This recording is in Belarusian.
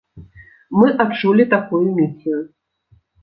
Мы адчулі такую місію.